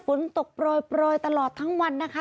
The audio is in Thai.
ฝนตกปล่อยตลอดทั้งวันนะคะ